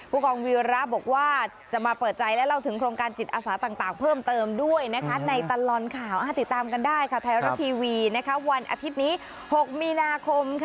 ประเทศต่างเพิ่มเติมด้วยนะคะในตลร๒๑๐สำหรับทีวีวันอาทิตย์นี้๖มีนาคม